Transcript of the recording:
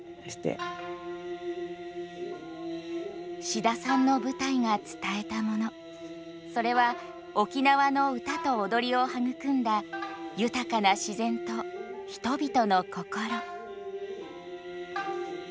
志田さんの舞台が伝えたものそれは沖縄の歌と踊りを育んだ豊かな自然と人々の心。